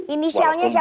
inisialnya siapa pak